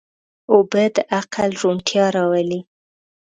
اوبه د عقل روڼتیا راولي.